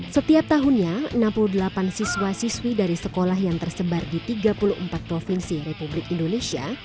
setiap tahunnya enam puluh delapan siswa siswi dari sekolah yang tersebar di tiga puluh empat provinsi republik indonesia